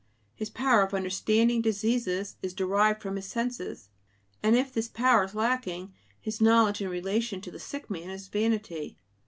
His power of understanding diseases is derived from his senses; and if this power is lacking, his knowledge in relation to the sick man is vanity.